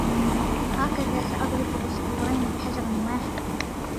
هكذا ، سأضرب عصفورين بحجر واحد.